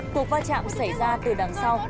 cuộc va chạm xảy ra từ đằng sau